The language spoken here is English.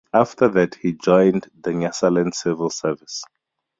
After that, he joined the Nyasaland civil service.